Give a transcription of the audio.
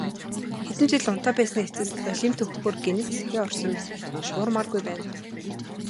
Хэдэн жил унтаа байсны эцэст олимп дөхөхөөр гэнэт сэхээ орсон мэт шуурмааргүй байна.